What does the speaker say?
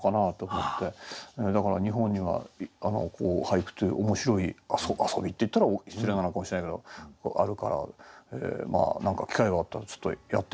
だから日本には俳句という面白い遊びって言ったら失礼なのかもしれないけどあるから何か機会があったらちょっとやってみようかなと思って。